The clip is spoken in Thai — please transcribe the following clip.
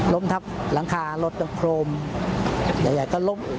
ล้มทับหลังคารถก็โครมใหญ่ก็ล้ม